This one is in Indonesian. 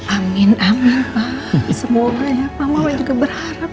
amin amin pak semoga ya pak mawar juga berharap